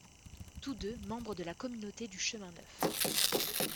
Tous deux membres de la communauté du Chemin Neuf.